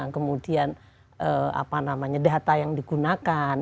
kemudian apa namanya data yang digunakan